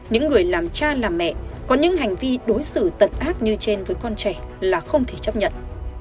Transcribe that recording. những người làm cha làm mẹ có những hành vi đối xử tận ác như trên với con trẻ là không thể chấp nhận